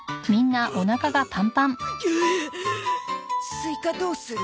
スイカどうする？